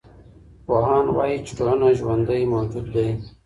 پوهان وايي چي ټولنه ژوندی موجود دی.